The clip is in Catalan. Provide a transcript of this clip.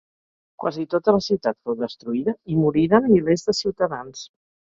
Quasi tota la ciutat fou destruïda i moriren milers de ciutadans.